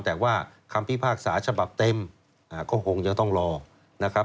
แต่ว่าคำพิพากษาฉบับเต็มก็คงจะต้องรอนะครับ